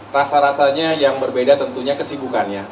rasa rasanya yang berbeda tentunya kesibukannya